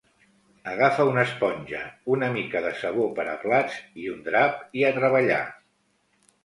Agafa una esponja, una mica de sabó per a plats i un drap, i a treballar!